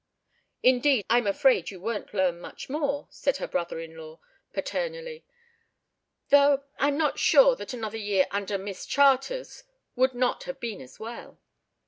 "Indeed, I'm afraid you won't learn much more," said her brother in law, paternally, "though I'm not sure that another year under Miss Charters would not have been as well."